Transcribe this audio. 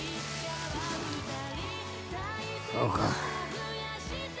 そうか。